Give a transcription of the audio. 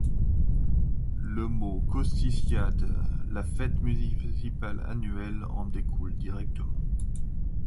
Le mot Costiciades - la fête municipale annuelle - en découle directement.